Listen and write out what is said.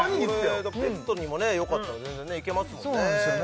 ペットにもよかったら全然ねいけますもんね